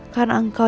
terima kasih bu